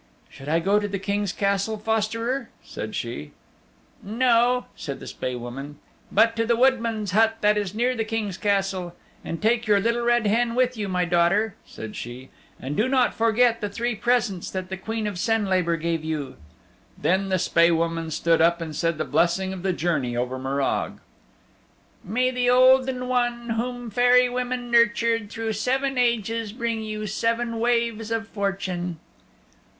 "Should I go to the King's Castle, fosterer?" said she. "No," said the Spae Woman, "but to the woodman's hut that is near the King's Castle. And take your Little Red Hen with you, my daughter," said she, "and do not forget the three presents that the Queen of Senlabor gave you." Then the Spae Woman stood up and said the blessing of the journey over Morag: May the Olden One, whom Fairy Women nurtured Through seven ages, Bring you seven Waves of fortune.